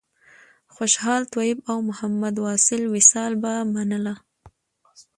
خوشحال طیب او محمد واصل وصال به منله.